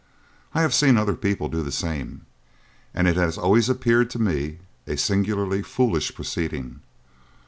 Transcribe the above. I have seen other people do the same, and it has always appeared to me a singularly foolish proceeding.